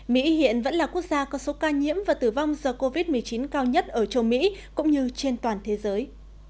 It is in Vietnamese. mỹ hiện vẫn là quốc gia có số ca nhiễm và tử vong do covid một mươi chín cao nhất ở châu mỹ cũng như trên toàn thế giới